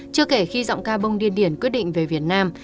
chưa kể khi giọng ca bông điên điển quyết định về việt nam